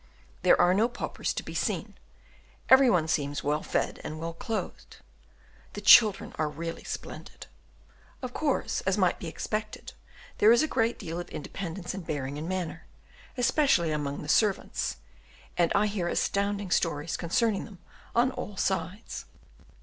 There are no paupers to be seen; every one seems well fed and well clothed; the children are really splendid. Of course, as might be expected, there is a great deal of independence in bearing and manner, especially among the servants, and I hear astounding stories concerning them on all sides.